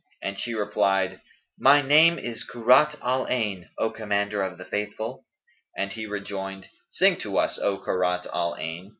and she replied, "My name is Kurrat al Ayn. O Commander of the Faithful," and he rejoined, "Sing to us, O Kurrat al Ayn."